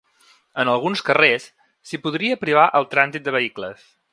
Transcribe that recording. En alguns carrers, s’hi podria privar el trànsit de vehicles.